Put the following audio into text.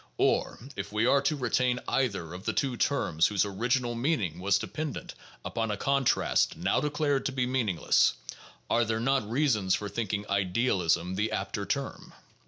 Or (if we are to retain either of the two terms whose original meaning was dependent upon a contrast now declared to be meaningless), are there not reasons for thinking "idealism" the apter term?